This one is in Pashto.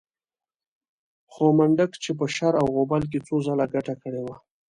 خو منډک چې په شر او غوبل کې څو ځله ګټه کړې وه.